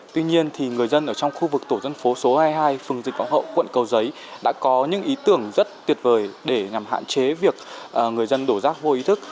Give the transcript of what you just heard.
tuy nhiên người dân ở trong khu vực tổ dân phố số hai mươi hai phường dịch võ hậu quận cầu giấy đã có những ý tưởng rất tuyệt vời để nhằm hạn chế việc người dân đổ rác vô ý thức